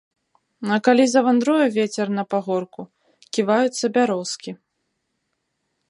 А калі завандруе вецер на пагорку, ківаюцца бярозкі.